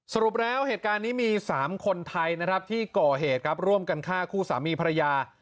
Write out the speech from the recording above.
สรุปแล้วเหตุการณ์นี้มี๓คนไทยนะครับที่ก่อเหตุครับร่วมกันฆ่าคู่สามีภรรยา